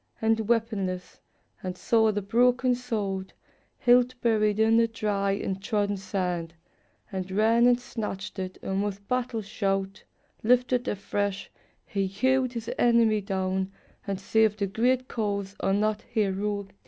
And weaponless, and saw the broken sword. Hilt buried in the dry and trodden sand, And ran and snatched it, and with battle shout Lifted afresh, he hewed his enemy down, And saved a great cause on that heroic day.